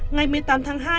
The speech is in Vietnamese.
ngày một mươi tám tháng hai